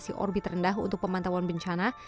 dengan kondisi orbit rendah untuk pemantauan bencana